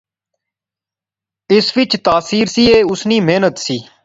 اس وچ تاثیر سی، ایہہ اس نی محنت سی